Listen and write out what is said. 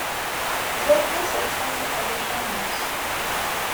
His work also extends to other genres.